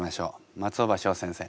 松尾葉翔先生